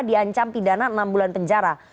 diancam pidana enam bulan penjara